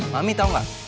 mami tau gak